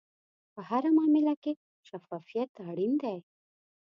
په هره معامله کې شفافیت اړین دی.